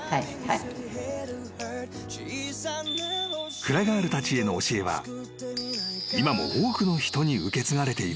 ［フラガールたちへの教えは今も多くの人に受け継がれている］